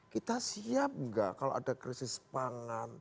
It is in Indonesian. kita siap nggak kalau ada krisis pangan